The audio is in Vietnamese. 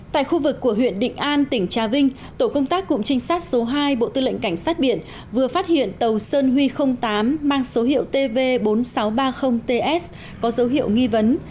tại khu vực của huyện định an tỉnh trà vinh tổ công tác cụm trinh sát số hai bộ tư lệnh cảnh sát biển vừa phát hiện tàu sơn huy tám mang số hiệu tv bốn nghìn sáu trăm ba mươi ts có dấu hiệu nghi vấn